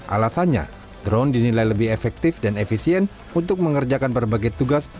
alasannya drone dinilai lebih efektif dan efisien untuk mengerjakan berbagai tugas